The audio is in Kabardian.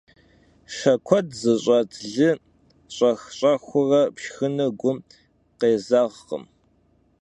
Şe kued zış'et lı ş'ex - ş'exıure pşşxınır gum khêzeğkhım.